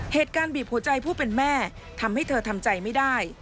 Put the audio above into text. เหตุการณ์บีบหัวใจผู้เป็นแม่ทำให้เธอทำใจไม่ได้